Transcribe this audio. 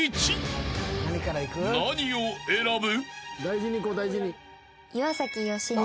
［何を選ぶ？］